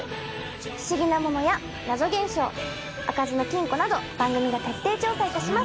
不思議なものや謎現象開かずの金庫など番組が徹底調査いたします。